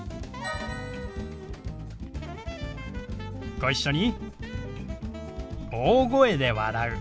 ご一緒に。